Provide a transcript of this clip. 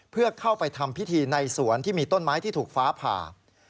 เพื่อเข้าไปทำพิธีในสวนที่มีต้นไม้ที่ถูกฟ้าผ่า